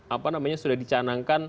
apa namanya sudah dicanangkan